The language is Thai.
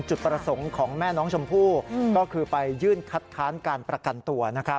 จุดประสงค์ของแม่น้องชมพู่ก็คือไปยื่นคัดค้านการประกันตัวนะครับ